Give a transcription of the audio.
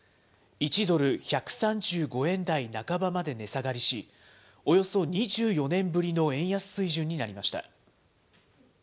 １ドル１３５円台半ばまで値下がりし、およそ２４年ぶりの円安水準になりました。